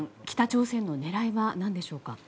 北朝鮮の狙いは何でしょうか。